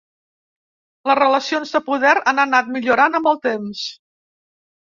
Les relacions de poder han anat millorant amb el temps.